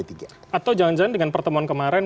atau jangan jangan dengan pertemuan kemarin